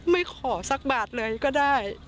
ไม่ขอสักบาทเลยก็ได้